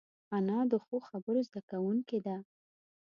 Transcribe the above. انا د ښو خبرو زده کوونکې ده